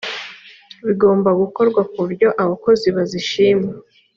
bigomba gukorwa ku buryo abakozi bazishima.